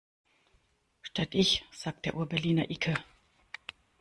Statt ich sagt der Urberliner icke.